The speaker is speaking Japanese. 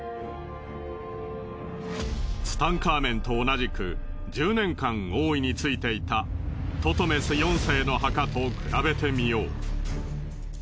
ツタンカーメンと同じく１０年間王位に就いていたトトメス４世の墓と比べてみよう。